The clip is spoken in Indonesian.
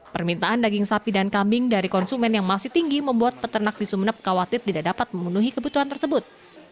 permintaan daging sapi dan kambing dari konsumen yang masih tinggi membuat peternak di sumeneb khawatir tidak dapat memenuhi kebutuhan tersebut